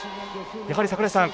やはり櫻井さん